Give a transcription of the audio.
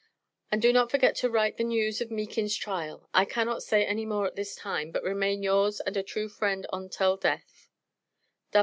And do not forget to write the News of Meakin's tryal. I cannot say any more at this time; but remain yours and A true Friend ontell Death.